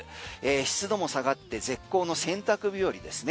湿度も下がって絶好の洗濯日和ですね。